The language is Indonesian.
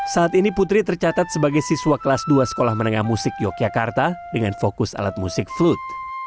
saat ini putri tercatat sebagai siswa kelas dua sekolah menengah musik yogyakarta dengan fokus alat musik flut